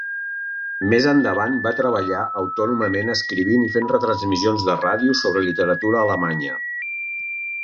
Més endavant va treballar autònomament escrivint i fent retransmissions de ràdio sobre literatura alemanya.